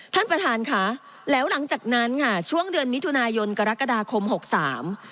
ท่านประธานค่ะแล้วหลังจากนั้นค่ะช่วงเดือนมิถุนายนกรกฎาคมหกสาม